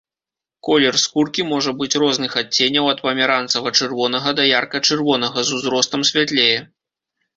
Колер скуркі можа быць розных адценняў ад памяранцава-чырвонага да ярка-чырвонага, з узростам святлее.